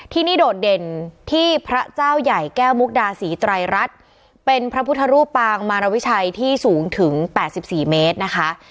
ที่นี่โดดเด่นที่พระเจ้าใหญ่แก้วมุกดาศรีไตรรัฐเป็นพระพุทธรูปปางมารวิชัยที่สูงถึง๘๔เมตรนะคะ